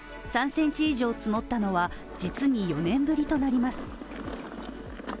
３ｃｍ以上積もったのは実に４年ぶりとなります。